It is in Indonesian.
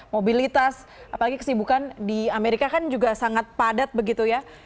mobilitas apalagi kesibukan di amerika kan juga sangat padat begitu ya